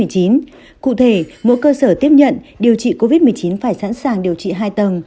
cụ thể mỗi cơ sở tiếp nhận điều trị covid một mươi chín phải sẵn sàng điều trị hai tầng